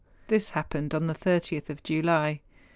This happened on the 30th of July.